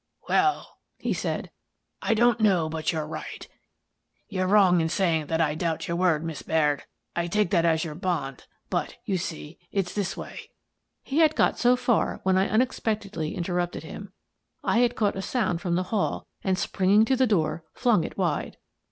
" Well," he said, " I don't know but you're right. You're wrong in saying that I doubt your word, Miss Baird, — I take that as your bond, but, you see, it's this way —" He had got so far when I unexpectedly inter rupted him. I had caught a sound from the hall and, springing to the door, flung it wide.